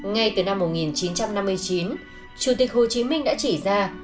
ngay từ năm một nghìn chín trăm năm mươi chín chủ tịch hồ chí minh đã chỉ ra